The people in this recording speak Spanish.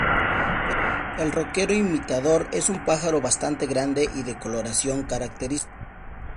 El roquero imitador es un pájaro bastante grande y de coloración característica.